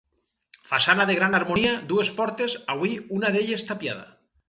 Façana de gran harmonia, dues portes, avui una d'elles tapiada.